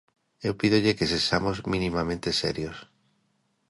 Eu pídolle que sexamos minimamente serios.